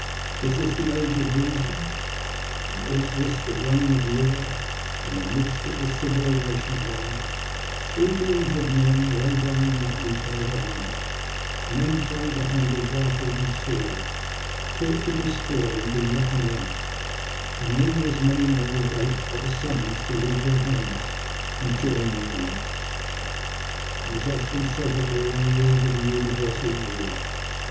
Is this the age of reason, and is this the reign of law? In the midst of this civilisation of ours three millions of men lie down nightly by their arms, men trained to handle rifle and sword, taught to destroy and to do nothing else; and nearly as many more wait but a summons to leave their homes and join the ranks. And often it is said that we are on the eve of a universal war.